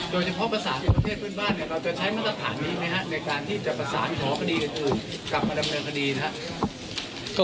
โดยเฉพาะภาษาในประเทศเพื่อนบ้านเนี่ยเราจะใช้มาตรฐานนี้ไหมฮะในการที่จะประสานขอคดีอื่นกลับมาดำเนินคดีนะครับ